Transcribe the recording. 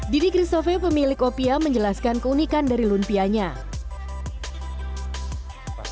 didi christofe pemilik opia menjelaskan keunikan dari lumpianya